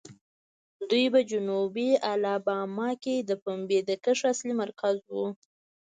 دوی په جنوبي الاباما کې د پنبې د کښت اصلي مرکز وو.